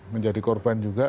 menjadi korban juga